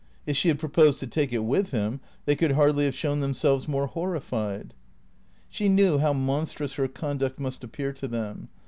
If she had proposed to take it with him they could hardly have shown themselves more horrified. She knew how monstrous her conduct must appear to them.